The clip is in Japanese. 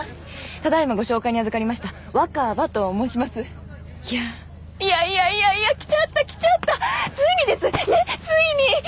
ただいまご紹介にあずかりました若葉と申しますいやいやいやいやいや来ちゃった来ちゃったついにです！ねえついに！